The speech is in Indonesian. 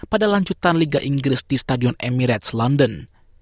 pada lanjutan liga inggris di stadion emirates london